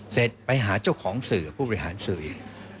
เสร็จไปหาเจ้าของสื่อผู้บริหารสื่ออีก